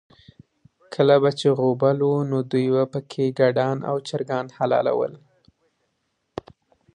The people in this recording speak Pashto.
کله به چې غوبل و، نو دوی به پکې ګډان او چرګان حلالول.